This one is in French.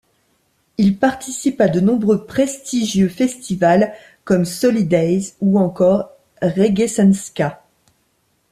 Il participe à de nombreux prestigieux festivals comme Solidays ou encore Reggae Sun Ska.